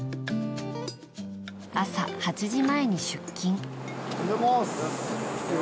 朝８時前に出勤。